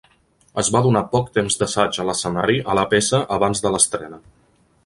Es va donar poc temps d'assaig a l'escenari a la peça abans de l'estrena.